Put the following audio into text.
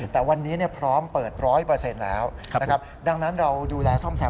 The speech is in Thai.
แต่วันนี้พร้อมเปิด๑๐๐แล้วนะครับดังนั้นเราดูแลซ่อมแซม